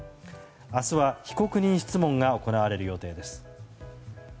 明日は被告人質問が行われる予定です。